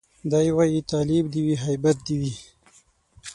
دی وايي تالب دي وي هيبت دي وي